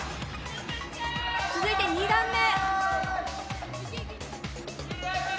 続いて２段目。